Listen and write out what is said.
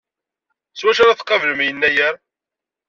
S wacu ara tqablem Yennayer?